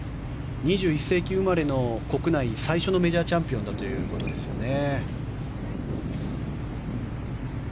２１世紀生まれの国内最初のメジャーチャンピオンだということですよね。